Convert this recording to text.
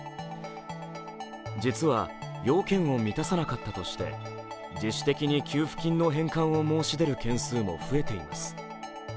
実は要件を満たさなかったとして自主的に給付金の返還を申し出る件数も増えています。